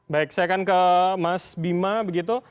baik saya akan ke mas bima begitu